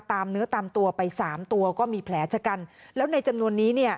เนื้อตามตัวไปสามตัวก็มีแผลชะกันแล้วในจำนวนนี้เนี่ย